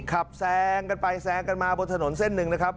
แซงกันไปแซงกันมาบนถนนเส้นหนึ่งนะครับ